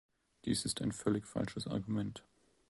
Dies ist ein völlig falsches Argument.